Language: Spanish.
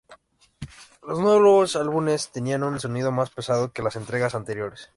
Los nuevos álbumes tenían un sonido más "pesado" que las entregas anteriores.